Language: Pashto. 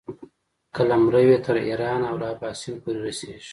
قلمرو یې تر ایرانه او له اباسین پورې رسېږي.